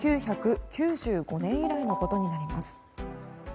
１９９５年以来のことになります。